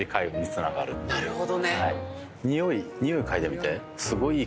なるほどね。